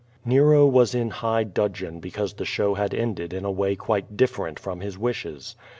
Nero was in high dudgeon because the show had ended iu QUO VADI8. ^82 a way quite different from his wishes.